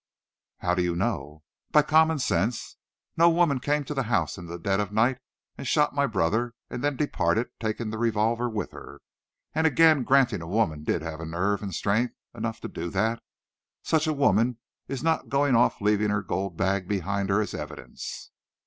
"How do you know?" "By common sense. No woman came to the house in the dead of night and shot my brother, and then departed, taking her revolver with her. And again, granting a woman did have nerve and strength enough to do that, such a woman is not going off leaving her gold bag behind her as evidence!"